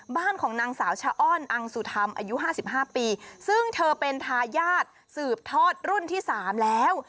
บ้านของนางสาวชะอ้อนอังสุธรรมอายุห้าสิบห้าปีซึ่งเธอเป็นทายาทสืบทอดรุ่นที่๓แล้ว